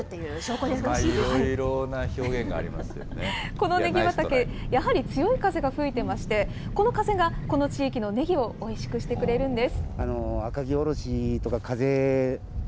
このねぎ畑、やはり強い風が吹いていまして、この風がこの地域のねぎをおいしくしてくれるんです。